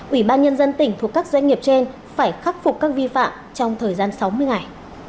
ủy ban nhân dân tỉnh thuộc các doanh nghiệp trên phải khắc phục các vi phạm trong thời gian sáu mươi ngày